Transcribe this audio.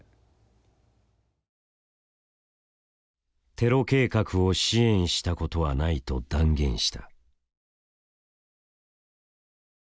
テロ計画を支援したことはないと断言した。